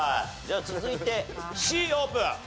じゃあ続いてＣオープン。